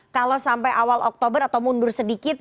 kalau sampai awal oktober atau mundur sedikit